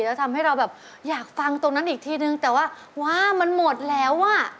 จะทำให้เราอยากฟังตรงนั้นอีกทีหนึ่งแต่ว่ามันหมดแล้ว